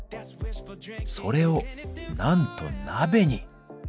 それをなんと鍋に！